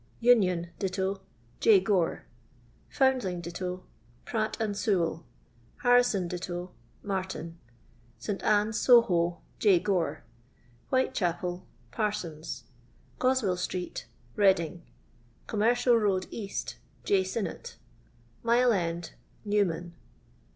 Union ditto J. Gore. Foundling ditto Pratt and Sev.clL Harrison «litto Martin. St. Ann's, Soho J. Gore. Wliitechapol Parsons. Goswell street Keddlng. rommercial road. Bast .... J. SinnotL Mile end Newman.